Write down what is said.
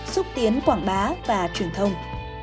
xúc tiến quảng bá và truyền thông